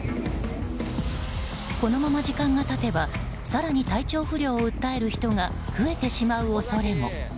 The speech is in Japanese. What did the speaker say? このまま時間が経てば更に体調不良を訴える人が増えてしまう恐れも。